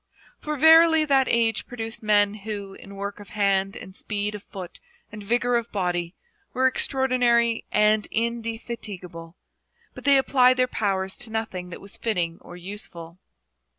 For verily that age produced men who, in work ot hand and speed of foot and vigour of body, were extraordinary and indefatigable, but they applied their powers to nothing that was fitting or useful.